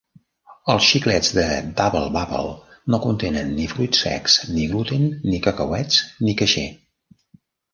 Els xiclets de Dubble Bubble no contenen ni fruits secs, ni gluten, ni cacauets ni caixer.